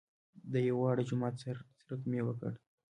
د یوه واړه جومات څرک مې وکړ.